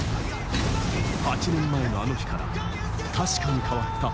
８年前のあの日から、確かに変わった。